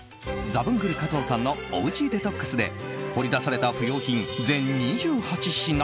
ザブングル加藤さんのおうちデトックスで掘り出された不要品、全２８品。